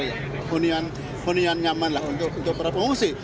ini adalah penggunaan nyaman untuk pengungsi